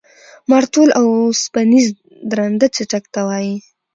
مارتول اوسپنیز درانده څټک ته وایي.